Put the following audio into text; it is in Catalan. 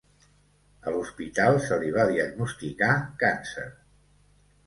A l'hospital se li va diagnosticar càncer.